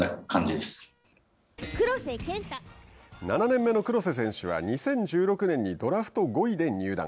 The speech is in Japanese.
７年目の黒瀬選手は２０１６年にドラフト５位で入団。